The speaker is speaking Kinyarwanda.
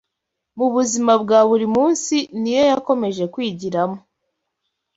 mu buzima bwa buri munsi ni yo yakomeje kwigiramo